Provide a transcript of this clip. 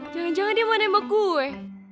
jangan jangan dia mau nembak gue